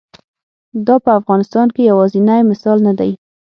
دا په افغانستان کې یوازینی مثال نه دی.